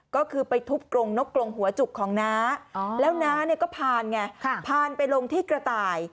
ก็คือไปทุบกรงนกกรงหัวจุกของน้าแล้วน้าเนี่ยก็ผ่านไงผ่านไปลงที่กระต่าย